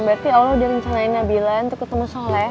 berarti allah udah rencanain nabilan untuk ketemu soleh